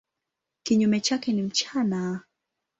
Kinyume chake ni mchana.